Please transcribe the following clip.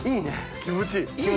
気持ちいい。